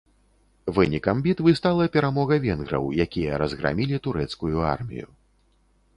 Вынікам бітвы стала перамога венграў, якія разграмілі турэцкую армію.